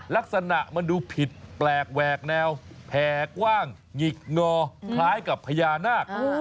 ลักษณะมันดูผิดแปลกแหวกแนวแผ่กว้างหงิกงอคล้ายกับพญานาค